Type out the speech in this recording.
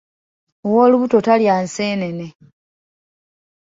Ow’olubuto talya nseenene.